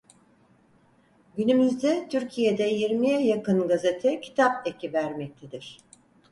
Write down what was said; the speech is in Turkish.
Günümüzde Türkiye'de yirmiye yakın gazete kitap eki vermektedir.